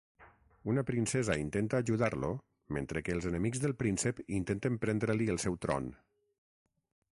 Una princesa intenta ajudar-lo mentre que els enemics del príncep intenten prendre-li el seu tron.